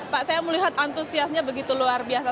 pak saya melihat antusiasnya begitu luar biasa